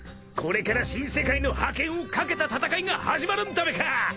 これから新世界の覇権をかけた戦いが始まるんだべか。